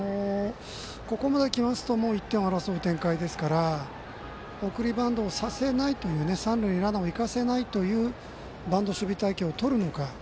ここまできますと１点を争う展開ですから送りバントをさせないという三塁にランナーを行かせないという守備隊形をとるのか。